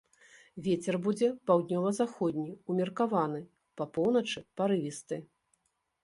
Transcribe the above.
Вецер будзе паўднёва-заходні ўмеркаваны, па поўначы парывісты.